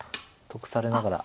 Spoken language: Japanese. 得されながら。